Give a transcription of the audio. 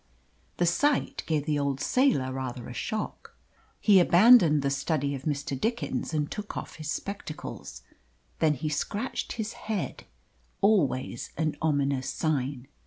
The sight gave the old sailor rather a shock. He abandoned the study of Mr. Dickens and took off his spectacles. Then he scratched his head always an ominous sign.